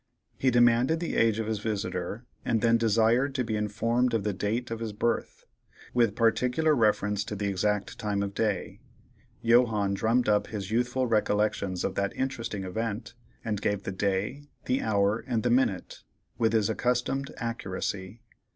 He demanded the age of his visitor, and then desired to be informed of the date of his birth, with particular reference to the exact time of day; Johannes drummed up his youthful recollections of that interesting event, and gave the day, the hour, and the minute, with his accustomed accuracy.